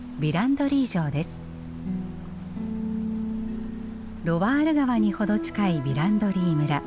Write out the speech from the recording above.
ロワール川に程近いヴィランドリー村。